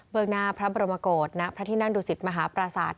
เบื้องหน้าพระบรมโกรธณพระที่นั่งดูสิทธิ์มหาปราศาสตร์